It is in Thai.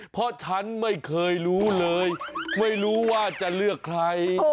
เพราะฉันไม่เคยรู้เลยไม่รู้ว่าจะเลือกใคร